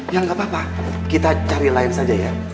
ya nggak apa apa kita cari lain saja ya